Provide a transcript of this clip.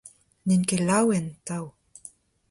N'int ket laouen, atav.